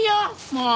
もう。